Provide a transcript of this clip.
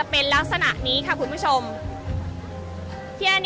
อาจจะออกมาใช้สิทธิ์กันแล้วก็จะอยู่ยาวถึงในข้ามคืนนี้เลยนะคะ